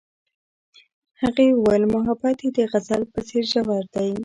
هغې وویل محبت یې د غزل په څېر ژور دی.